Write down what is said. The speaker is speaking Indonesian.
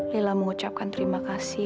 lila mengucapkan terima kasih